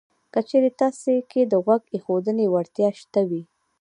که چېرې تاسې کې د غوږ ایښودنې وړتیا شته وي